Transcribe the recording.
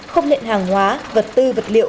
không nhận hàng hóa vật tư vật liệu